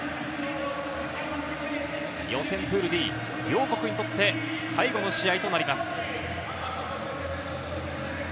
予選プールＤ、両国にとって最後の試合となります。